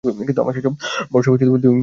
কিন্তু আমার সে-সব ভরসা ধুয়েমুছে গেছে।